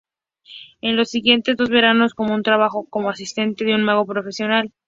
En los siguientes dos veranos tomó un trabajo como asistente de un mago profesional.